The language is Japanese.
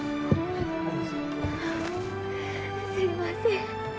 すいません。